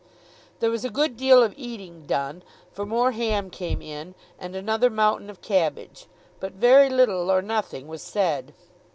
There was a good deal of eating done, for more ham came in, and another mountain of cabbage; but very little or nothing was said.